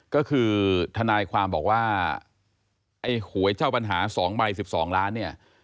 ก็คือทนายความบอกว่าไอ้หวยเจ้าปัญหา๒ใบ๑๒ล้านเนี่ย